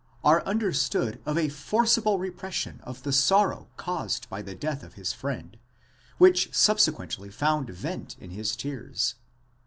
38) are understood of a forcible repression of the sorrow caused by the death of his friend, which subsequently found vent in tears (ἐδάκρυσεν).